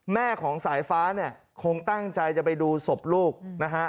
แม่ของสายฟ้าเนี่ยคงตั้งใจจะไปดูศพลูกนะฮะ